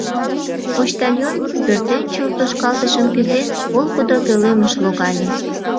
Почтальон, пӧртӧнчыл тошкалтышым кӱзен, волгыдо пӧлемыш логале.